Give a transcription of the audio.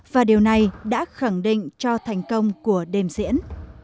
và điều này đã khẳng định cho thành công của đêm diễn